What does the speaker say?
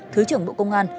thứ trưởng bộ công an